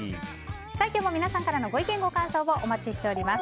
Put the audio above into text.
今日も皆さんからのご意見、ご感想をお待ちしています。